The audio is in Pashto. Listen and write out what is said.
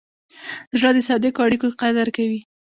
زړه د صادقو اړیکو قدر کوي.